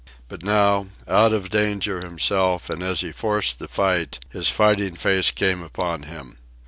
But now, out of danger himself and as he forced the fight, his fighting face came upon him.